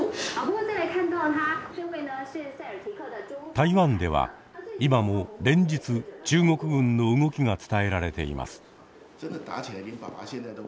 台湾では今も連日中国軍の動きが伝えられています。